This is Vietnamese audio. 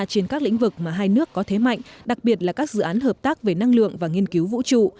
trên các lĩnh vực mà hai nước có thế mạnh đặc biệt là các dự án hợp tác về năng lượng và nghiên cứu vũ trụ